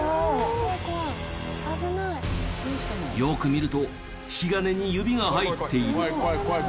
よく見ると引き金に指が入っている。